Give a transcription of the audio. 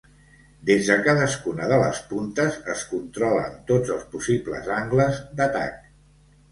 Des de cadascuna de les puntes es controlen tots els possibles angles d'atac.